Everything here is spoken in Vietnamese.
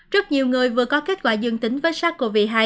rất nhiều người vừa có kết quả dương tính với sars cov hai